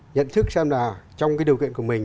nhận thức xem là trong cái điều kiện của mình